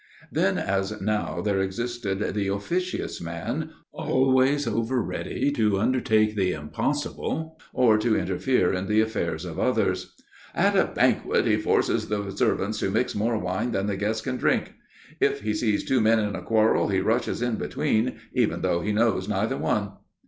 Then as now there existed the officious man, always over ready to undertake the impossible or to interfere in the affairs of others. "At a banquet, he forces the servants to mix more wine than the guests can drink. If he sees two men in a quarrel, he rushes in between, even though he knows neither one."